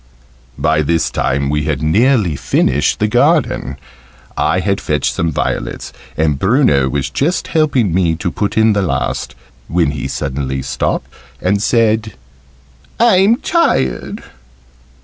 By this time we had nearly finished the garden. I had fetched some violets, and Bruno was just helping me to put in the last, when he suddenly stopped and said "I'm tired."